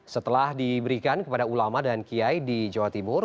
setelah diberikan kepada ulama dan kiai di jawa timur